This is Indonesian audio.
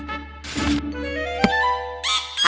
oh aku sudah tiba